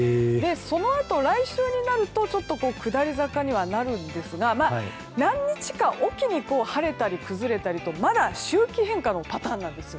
そのあと、来週になるとちょっと下り坂にはなるんですが何日かおきに晴れたり崩れたりとまだ周期変化のパターンなんです。